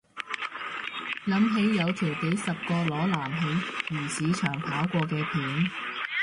諗起有條幾十個裸男喺漁市場跑過嘅片